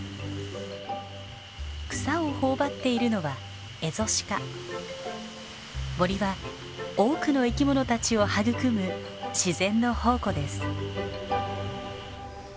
草を頬張っているのは森は多くの生き物たちを育む自然の宝庫です。